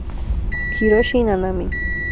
Hiroshi Nanami